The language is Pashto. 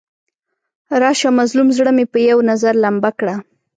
راشه مظلوم زړه مې په یو نظر لمبه کړه.